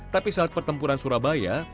tapi saat pertempuran surabaya